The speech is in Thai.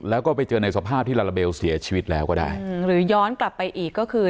แล้วก็ไปเจอในสภาพที่ลาลาเบลเสียชีวิตแล้วก็ได้อืมหรือย้อนกลับไปอีกก็คือ